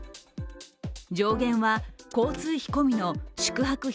上限は交通費込みの宿泊費